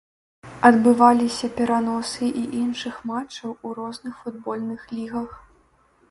Адбываліся пераносы і іншых матчаў у розных футбольных лігах.